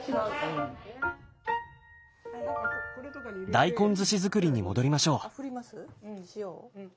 大根ずし作りに戻りましょう。